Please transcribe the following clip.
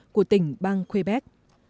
của tỉnh bang quebec